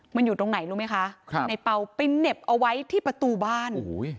มันอยู่ตรงไหนรู้ไหมคะในเปล่าไปเหน็บเอาไว้ที่ประตูบ้าน